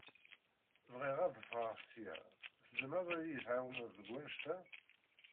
Bɣiɣ ad fɣeɣ sya, tzemreḍ ad iyi-tɛiwneḍ deg wanect-a?